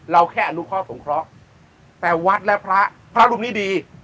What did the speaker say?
แค่อนุเคราะห์สงเคราะห์แต่วัดและพระพระรูปนี้ดี